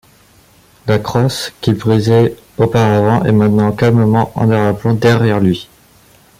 La crosse qu'il brisait auparavant est maintenant calmement en arrière-plan derrière lui.